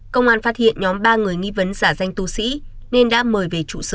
công an phát hiện nhóm ba người nghi vấn giả danh tu sĩ nên đã mời về trụ sở